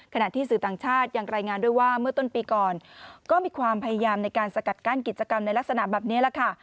ขณะที่สื่อต่างชาติยังรายงานด้วยว่าเมื่อต้นปีก่อนก็มีความพยายามในการสกัดกั้นกิจกรรมในลักษณะแบบนี้แหละค่ะ